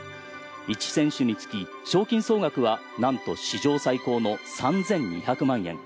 １選手につき、賞金総額はなんと史上最高の３２００万円！